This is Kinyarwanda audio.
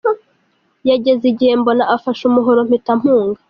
Yageze igihe mbona afashe umuhoro mpita mpunga.